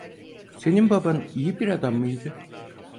Senin baban iyi bir adam mıydı?